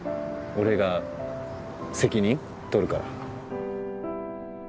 俺が責任とるから